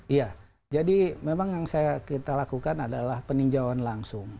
iya jadi memang yang saya kita lakukan adalah peninjauan langsung